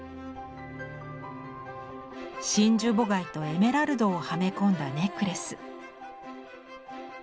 真珠母貝とエメラルドをはめ込んだネックレス。